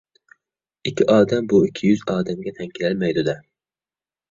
ئىككى ئادەم بۇ ئىككى يۈز ئادەمگە تەڭ كېلەلمەيدۇ-دە.